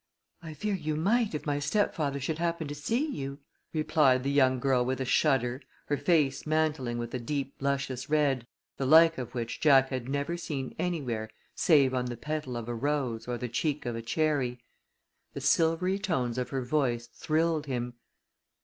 "I fear you might if my stepfather should happen to see you," replied the girl with a shudder, her face mantling with a deep luscious red, the like of which Jack had never seen anywhere save on the petal of a rose or the cheek of a cherry. The silvery tones of her voice thrilled him.